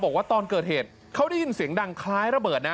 บอกว่าตอนเกิดเหตุเขาได้ยินเสียงดังคล้ายระเบิดนะ